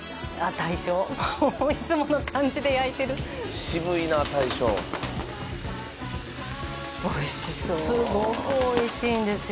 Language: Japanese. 大将いつもの感じで焼いてる渋いな大将おいしそうすごくおいしいんですよ